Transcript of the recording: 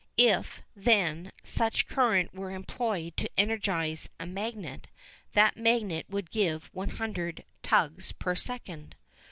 If, then, such current were employed to energise a magnet, that magnet would give 100 tugs per second.